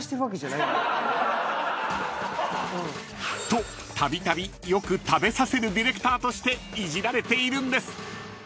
［とたびたびよく食べさせるディレクターとしていじられているんです］